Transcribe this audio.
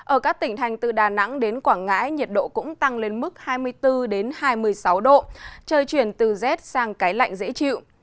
ở các tỉnh thành từ đà nẵng đến quảng ngãi nhiệt độ cũng tăng lên mức hai mươi bốn hai mươi sáu độ trời chuyển từ rét sang cái lạnh dễ chịu